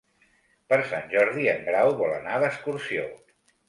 Per Sant Jordi en Grau vol anar d'excursió.